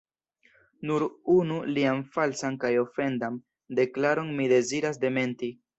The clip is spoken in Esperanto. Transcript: Nur unu lian falsan kaj ofendan deklaron mi deziras dementi.